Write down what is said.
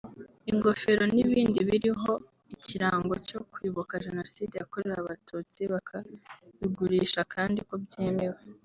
ingofero n’ibindi biriho ikirango cyo kwibuka Jenoside yakorewe abatutsi bakabigurisha kandi ko byemewe